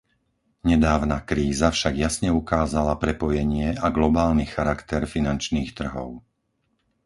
Nedávna kríza však jasne ukázala prepojenie a globálny charakter finančných trhov.